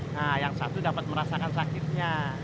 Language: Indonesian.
nah yang satu dapat merasakan sakitnya